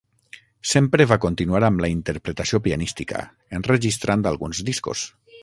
Sempre va continuar amb la interpretació pianística, enregistrant alguns discos.